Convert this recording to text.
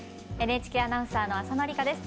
ＮＨＫアナウンサーの浅野里香です。